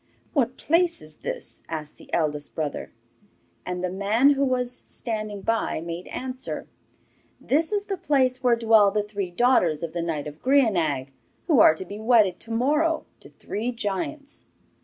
'What place is this?' asked the eldest brother. And the man who was standing by made answer: 'This is the place where dwell the three daughters of the knight of Grianaig, who are to be wedded to morrow to three giants.